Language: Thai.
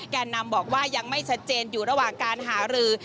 แก่นำบอกว่ายังไม่ชัดเจนอยู่ระหว่างการหารือ